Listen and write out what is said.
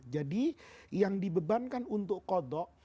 jadi yang dibebankan untuk kodok